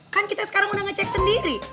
kan kita sekarang udah ngecek sendiri